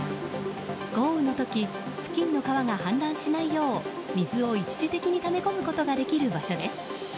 豪雨の時付近の川が氾濫しないよう水を一時的にため込むことができる場所です。